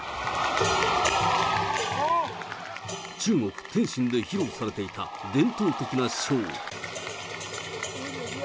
中国・天津で披露されていた伝統的なショー。